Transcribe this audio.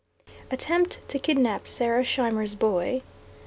ATTEMPT TO KIDNAP SARAH SCHEIMER'S BOY.